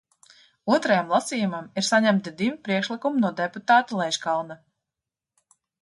Otrajam lasījumam ir saņemti divi priekšlikumi no deputāta Leiškalna.